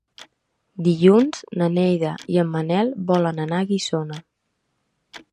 Dilluns na Neida i en Manel volen anar a Guissona.